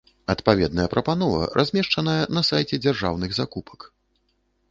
Адпаведная прапанова размешчаная на сайце дзяржаўных закупак.